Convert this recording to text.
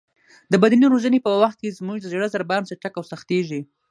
د بدني روزنې په وخت کې زموږ د زړه ضربان چټک او سختېږي.